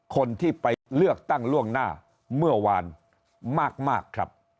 คนที่ไปเลือกตั้งล่วงหน้าเมื่อวานมากครับ